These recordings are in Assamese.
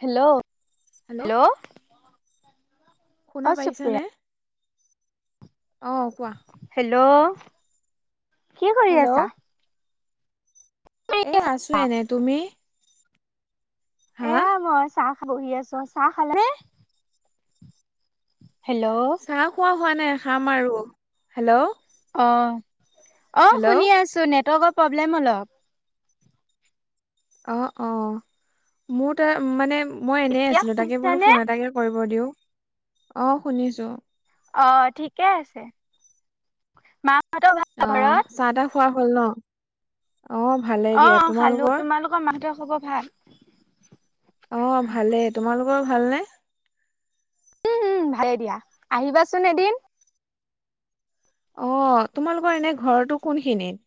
হেল্ল', হেল্ল' শুনা পাইছানে, অ' কোৱা। হেল্ল', কি কৰি আছা? হেল্ল' এই আছোঁ এনে, তুমি? হা? এয়া মই চাহ খাই বহি আছো, চাহ খালে নে? হেল্ল' চাহ খোৱা হোৱা নাই খাম আৰু, হেল্ল' অ', অ' হেল্ল' শুনি আছোঁ নেটৱৰ্কৰ প্ৰব্লেম অলপ। অ' অ', মোৰ ত মানে মই এনেই এতিয়া আছিলোঁ তাকে বোলো শুনিছানে ফোন এটাকে কৰিব দিওঁ, অ' শুনিছোঁ। অ' ঠিকে আছে, মা অ' চাহ তাহ খোৱা হল ন, অ' ভালেই দিয়া, তোমালোকৰ? আহ তোমাৰ মা দেউতাৰ খবৰ ভাল? অ' ভালেই, তোমালোকৰ ভালনে? উম উম, ভালে দিয়া আহিবাচোন এদিন। অ' তোমালোকৰ এনে ঘৰটো কোনখিনিত?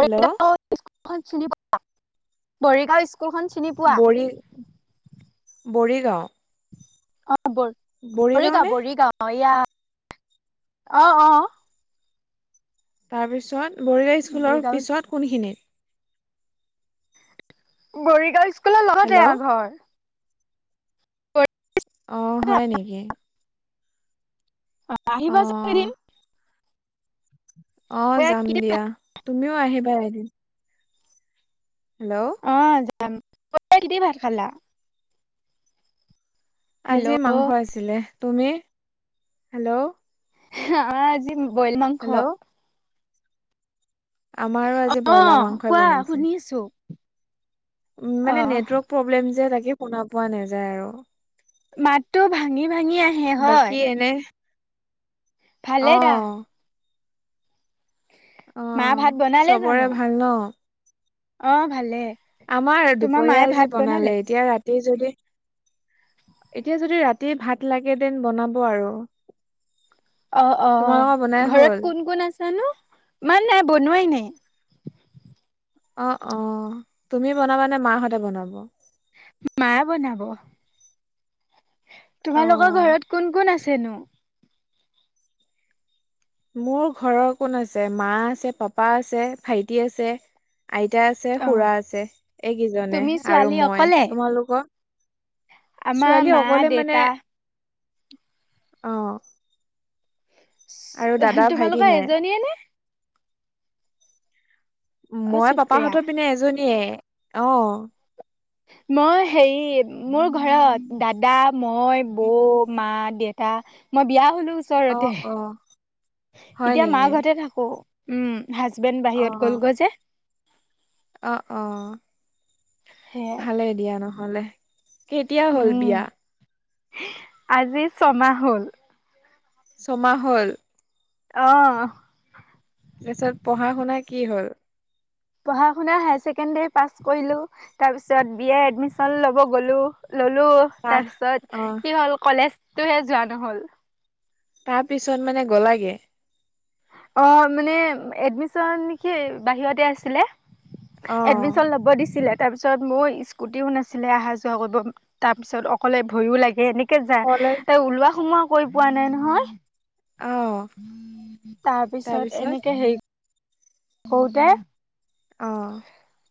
হেল্ল' স্কুলখন চিনি পোৱা, মৰিগাঁও স্কুল বৰি মৰিগাঁও? অ' বৰিগাঁও নে বৰিগাঁও-বৰিগাঁও ইয়া অ' অ'। তাৰপিছত মৰিগাঁও স্কুলৰ বৰিগাঁও পিছত কোনখিনিত? মৰিগাঁও স্কুলৰ লগতে হেল্ল' আ ঘৰ। অ' হয় নেকি? অ' আহিবা চুন এদিন। অ', যাম দিয়া, তুমিও আহিবা এদিন। হেল্ল' অ', যাম ভাত খালা? হেল্ল' আজি মাংস আছিলে। তুমি হেল্ল' আমাৰ, আজি বইলাৰ মাংস। হেল্ল' আমাৰো আজি ব্ৰইলাৰ অ', মাংসই কোৱা শুনি আছো। উ', মানে নেটৱৰ্ক প্ৰব্লেম যে তাকে, শুনা পোৱা নাযায় আৰু। মাত টো ভাঙি-ভাঙি আহি বাকী এনে ভালে দা অ', মা ভাত বনালে জানো? ন ন [unintelligible] অ', ভালে। আমাৰ তোমাৰ মায়ে দুপৰীয়াই যি ভাত বনালে, এতিয়া ৰাতি যদি এতিয়া যদি ৰাতিয ভাত লাগে দেন বনাব আৰু। অ', তোমালোকৰ বনাই অ'ঘৰত হ'ল কোন-কোন আছে নো? মই নাই বনোৱাই নাই। অ', অ, ' তুমি বনাবানে মাহঁতে বনাব? মায় বনাব। তোমালোকৰ অ ঘৰত কোন-কোন আছেনো? মোৰ ঘৰত কোন আছে, মা আছে, পাপা আছে, ভাইটি আছে, আইতা আছে, অ' খুৰা আছে এইকেইজনে তুমি আৰু ছোৱালী মই। অকলে? তোমালোকৰ আমাৰ ছোৱালী মা, অকলে মানে দেউতা অ' আৰু দাদা ভাইটি তোমালোকৰ নাই এজনীয়ে নে? অ' মই চুপ্ৰিয়া। পাপাহতৰ পিনে এজনীয়ে অ'। মই হেৰি মোৰ ঘৰত দাদা, মই, বৌ, মা, দেউতা মই, বিয়া হলো অ ওচৰতে। অ হয় এতিয়া নেকি মাৰ ঘৰতে থাকো। উম' হাজবেণ্ড অ বাহিৰত গ'লগৈ যে। অ', সেয়াই অ'ভালেই দিয়া নহ'লে। কেতিয়া হ'ল উম বিয়া? আজি ছমাহ হ'ল। ছমাহ হল। অ', তাৰপিছত পঢ়া-শুনা কি হ'ল? পঢ়া-শুনা হায়াৰ ছেকেণ্ডেৰী পাছ কৰিলো তাৰ পিছত বিয় এডমিশন ল'ব গ'লো, ললো। তাৰ পিছত অ কি হ'ল, কলেজটোহে যোৱা নহল। তাৰ পিছত মানে গ'লাগে? অ', মানে এডমিশন সি বাহিৰতে আছিলে অ এডমিশচন ল'ব দিছিলে। তাৰ পিছত মোৰ স্কুটি নাছিলে, অহা-যোৱা কৰিব। তাৰ পিছত অকলে ভয়ো লাগে এনে যা কলেজ এ ওলোৱা সোমোৱা কৰি পোৱা নাই নহয় অ', তাৰ পিছত তাৰপিছত এনেকে হেৰি কতে অ',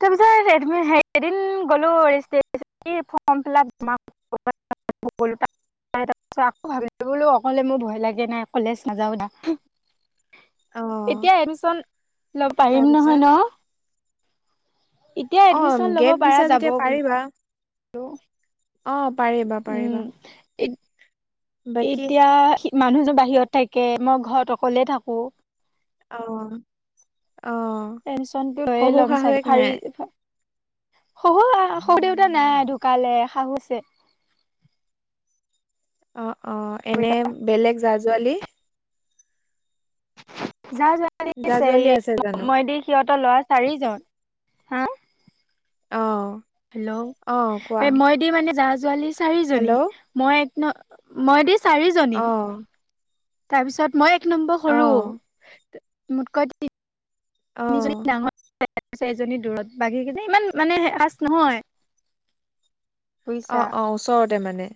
তাৰপিছত হ এদিন গ'লোঁ ৰেজিষ্ট্ৰ ফৰ্ম ফিলপ জ [unintelligible] তিছ আকৌ ভাবিলো বোলো অকলে মোৰ ভয় লাগে নাই কলেজ নাযাও না অ এতিয়া এডমিচন লব পাৰিম নহয় তাৰপিছত ন- এতিয়া অ এডমিশন লব গেপ পাৰা দিছা যাব যেতিয়া পাৰিবা বোলো অ', পাৰিবা উম পাৰিবা বাকী এতিয়া মানুহযোৰ বাহিৰত থাকে মই ঘৰত অকলে থাকোঁ অহ অহ টেনচনটো হৈয়ে ল'ম চাগে ফাৰী শহু সৰু দেউতা নাই ঢুকালে শাহুছে অ অ এনে বেলেগ জা জোৱালি যা যোৱা দি জা জোৱালি হেৰি আছে জানো মই দি সিহঁতৰ লৰা চাৰিজন হা অ হেল্ল' অ কোৱা এই মই দি মানে জা জোৱালি চাৰিজনী হেল্ল' মই এক ন মই দি চাৰি জনী অ তাৰপিছত মই এক নম্বৰ অ সৰু অ মোতকৈতিতি ডাঙৰ এজনী দূৰত বাগি কিজন ইমান মানে ৰাচ নহয় অ বুজিছা অ ওচৰতে মানে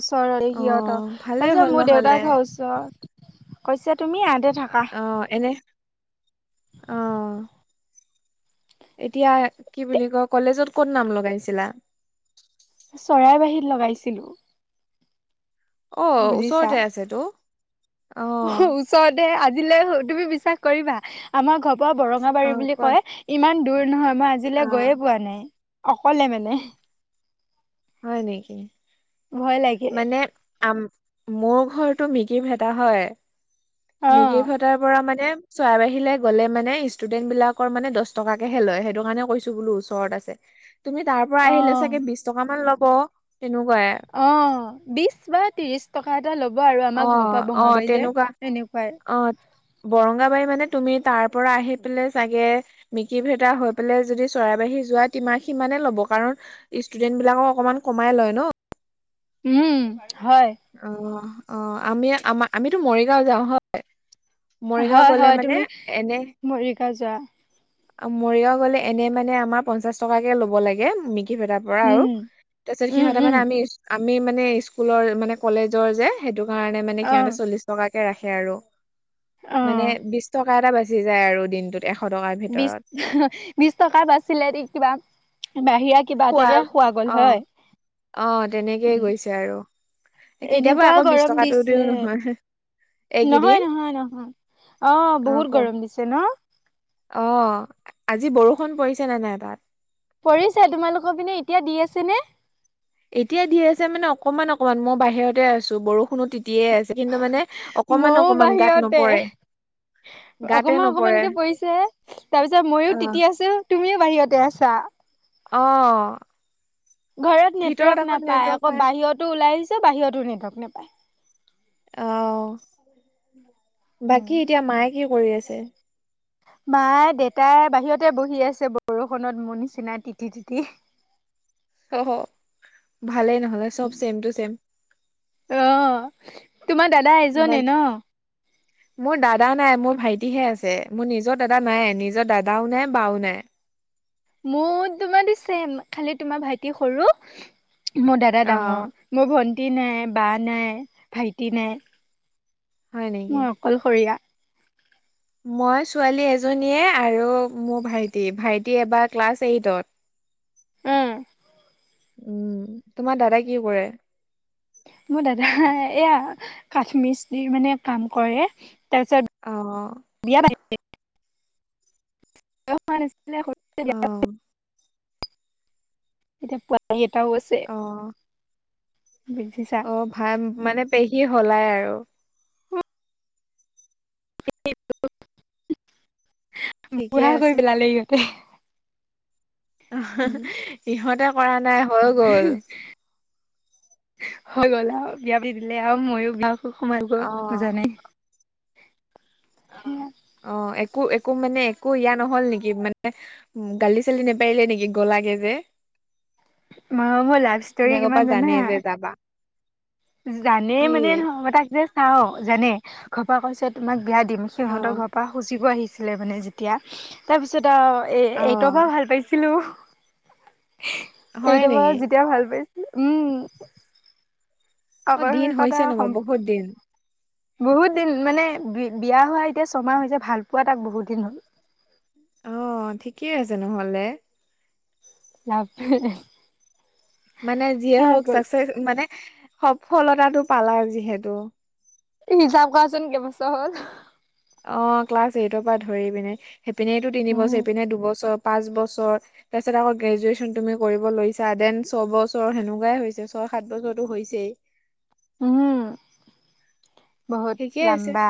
ওচৰৰে অ সিহঁতৰ ভালেই তাৰপিছত হ'ল মোৰ নহ'লে দেউতাৰ ঘৰ ওচৰত কৈছে তুমি ইহতে থাকা অ এনে অ এতিয়া কি বুলি কয় কলেজত কত নাম লগাইছিলা চৰাইৰ বাহীত লগাইছিলো অ বুজিছা ওচৰতে আছে তো অ চ দে আজিলৈ তুমি বিশ্বাস কৰিবা আমাৰ ঘৰ পৰা অ বৰঙাবাৰী বুলি কোৱা কয় ইমান দূৰ নহয় মই অ আজিলৈ গৈয়ে পোৱা নাই অকলে মানে হয় নেকি ভয় লাগে মানে আ মোৰ ঘৰৰতটো মগিৰ ভেটা হয় অ মগিৰ ভ তাৰ পৰা মানে চৰাই বাহীলৈ গ'লে মানে ষ্টুডেণ্ট বিলাকৰ মানে দহ টকাকেহে লয় সেইটো কাৰণে কৈছো বো চ ওৰত আছে তুমি তাৰ পৰা অ আহিলে চাগে বিশ টকা মান ল'ব তেনেকুৱাই অ বিশ বা ত্ৰিশ টকা এটা ল'ব আৰু আমাৰ ঘৰৰ পৰা বঙাবাৰীলৈ এনেকুৱাই অঠ বৰংগাবাৰী মানে তুমি তাৰ পৰা আহি পাই চাগে মিকি ভেদা হৈ পেলাই যদি চৰাইবাহী যোৱা তিমাহ সিমানে ল'ব কাৰণ ষ্টুডেন্ট বিলাকক অকনমান কমাই লয় ন উম হয় অ অ আমি আম আমিতো মৰিগাঁও যাও হয় মৰিগাও হয় গলে হয় মানে তুমি এনে মৰিকা যোৱা মৰিগাঁও গ'লে এনে মানে আমাৰ পঞ্চাশ টকাকে ল'ব লাগে মিকি ভেটা পৰা আৰু উম তাৰপিছত উম সিহঁত উম মানে আমি আমি মানে স্কুলৰ মানে কলেজৰ যে সেইটো কাৰণে মানে অ সিহতে চলিছ টকাকে ৰাখে আৰু অ মানে বিশ টকা এটা বাচি যায় আৰু দিনটোত এশ টকা বিশ বিশ টকা পাছিলে দ কিবা বাহিৰাত কিবা এটাকে খোৱা গ'ল অ হয় অ তেনেকেই উম গৈছে আৰু কেতিয়াবা আকৌ এনেকুৱাও বিশ গৰম টকাটো দিছে দিও নহয় নহয় এইকেইদিন নহয় নহয় অ বহুত গৰম দিছে ন অ আজি বৰষুণ পৰিছে নে নাই তাত পঢ়িছা তোমালোকক পিনে এতিয়া দি আছে নে এতিয়া দি আছে মানে অকমান অকনমান মই বাহিৰতে আছো বৰষুণো তিয়ে আছে কিন্তু মানে অকমান মইও অকমান গাত বাহিৰতে নপৰে গাতে অকমান নপৰে অকমানকে পৰিছে তাৰ পিছত মইো অ তিতি আছো তুমিও বাহিৰতে আছা অ ঘৰত ভিতৰত নেটৱৰ্ক আকৌ নাপাই নেটৱৰ্ক আকৌ পাই বাহিৰতো ওলাই আহিছে যে বাহিৰতো নেৱৰ্ক নাপায় অ উম, বাকী এতিয়া মায়ে কি কৰি আছে মায় দেউেতাই বাহিৰতে বহি আছে বৰষুণত মোৰ নিচিনা তিতি তিতি অ ভালেই নহলে চব চেম টু চছেম আহ তোমাৰ দাদা এজনে বাক ন? মোৰ দাদা নাই মোৰ ভাইটিহে আছে মোৰ নিজৰ দাদা নাই নিজৰ দাদাও নাই বাও নাই। মোৰ তোমাৰ দিছেম খালি তোমাৰ ভাইটি সৰু মোৰ দাদা অ ডাঙৰ। মোৰ ভণ্টি নাই বা নাই ভাইটি নাই। হয় নেকি? মই অকলশৰীয়া। মই ছোৱালী এজনীয়ে আৰু মোৰ ভাইটি ভাইটি এবাৰ ক্লাছ এইটত। উম উম, তোমাৰ দাদাই কি কৰে? মোৰ দাদা এয়া কাঠ মিস্ত্ৰী মানে কাম কৰে তাৰপিছত অ'। [unintelligible] অ [unintelligible] এতিয়া পোৱালী এটাও আছে। অ'। বুজিছা। অ', ভাল মানে পেহী হলাই আৰু। [unintelligible] ঠিকে বুঢ়া আছে কৰি পেলালে ইহঁতে। ইহঁতে কৰা নাই হৈ গল। হৈ গল আৰু বিয়া পি দিলে আহ ময়ো বিয়া সোমাই গ অ বুজানাই। [unintelligible] অ', একো একো মানে একো ইয়া নহল নেকি মানে উম, গালি চালি নেপাৰিলে নেকি গলাাকে যে? ম মোৰ লাভ তুমি ষ্টৰি আগৰ পৰা কিমান জানে জানা? যে যাবা জানে কি মানে নহ ময় তাক যে চাওঁ জানে ঘৰপা কৈছে তোমাক বিয়া দিম অ সিহঁতৰ ঘৰৰ পৰা খুজিব আহিছিলে মানে যেতিয়া তাৰপিছত আৰু এ অ এইটৰ পৰা ভাল পাইছিলো হয় এইটৰ পৰা নেকি যেতিয়া ভাল পাইছিল উম। অ দিন অৱশেষত হৈছে নবা আৰু বহুত দিন বহুত দিন মানে বি বিয়া হোৱা এতিয়া ছমাহ হৈছে ভাল পোৱা তাক বহুত দিন হ'ল। অ', ঠিকেই আছে নহলে। [unintelligible] মানে যিয়ে হৈ হওক গ'ল চাকচেচ মানে সফলতাটো পালা যিহেতু। হিচাপ কৰাচোন কেইবছৰ হ'ল। অ', ক্লাছ এইটৰ পৰা ধৰি পিনে সেইপিনেটো তিনিবছৰ উম সপিনে দুবছৰ পাঁচ বছৰ। তাৰপিছত আকৌ গ্ৰেজুৱেশচন তুমি কৰিব লৈছা দেন ছয়বছৰৰ সেনেকুৱাই হৈছে ছয় সাত বছৰতো হৈছেই। উম, বহুত ঠিকেই আছে লাম্বা।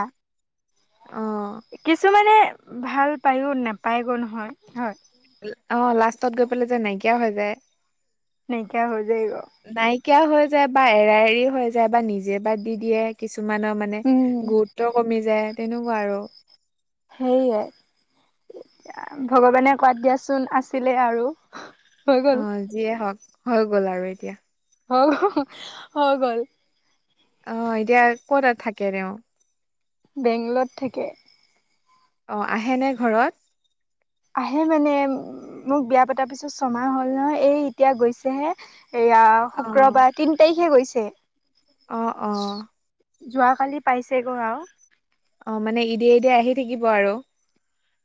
অ', কিছুমানে ভাল পায়ো নাপায়গৈ নহয় হয়। অ', লাষ্টত গৈ পেলাই যে নাইকিয়া হৈ যায়। নাইকীয়া হৈ যায় গৈ। নাইকিয়া হৈ যায় বা এৰা এৰি হৈ যায় বা নিজে বাদ দি দিয়ে কিছুমানৰ মানে উম মানে গুৰুত্ব কমি যায় তেনেকুৱা আৰু। সেইয়াই ভগৱানে কৰাত দিয়াচোন আছিলে আৰু। হৈ গ'ল। অ', যিয়ে হওক হৈ গ'ল আৰু এতিয়া। হৈ গল। অ', এতিয়া ক'ত থাকে তেওঁ? বেংগলৰত থাকে। অঁ', আহেনে ঘৰত? আহে মানে উ মোক বিয়া পতাৰ পিছত ছমাহ হ'ল নহ এই এতিয়া গৈছেহে এয়া অ', শুক্ৰবাৰ তিন তাৰিখে গৈছে। অ', অ'। যোৱাকালি পাইছেগৈ আৰু। অ, মানে এদিয়ে, এদিয়ে আহি থাকিব আৰু।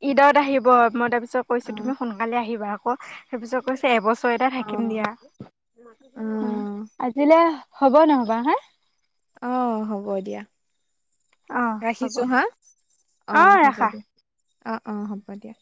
ঈদত আহিব মই তাৰপিছত অ কৈছো তুমি সোনকালে আহিবা আকৌ। সেই পিছত কৈছে এবছৰ এটা অ থাকিম দিয়া অ উ। আজিলৈ হ'ব নহয়বা হা। অ, হ'ব দিয়া অ হ'ব ৰাখিছো হা অ, হ'ব দিয়া। অ', অ', হ'ব দিয়া।